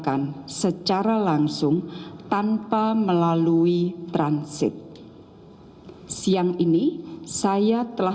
yang saat ini telah memasuki provinsi hubei